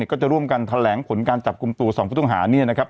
ก็จะร่วมกันแถลงผลการจับกลุ่มตัว๒ผู้ต้องหาเนี่ยนะครับ